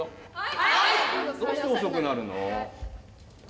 どうして遅くなるの？